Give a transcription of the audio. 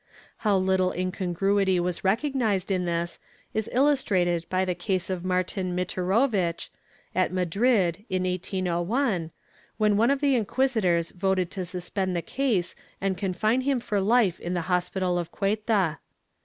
^ How Uttle incongruity was recog nized in this is illustrated by the case of Martin Mitorovich, at Madrid, in 1801, when one of the inquisitors voted to suspend the case and confine him for Ufe in the hospital of Ceuta.